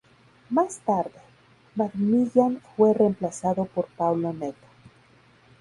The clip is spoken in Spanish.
Más tarde, McMillan fue remplazado por Paulo Neta.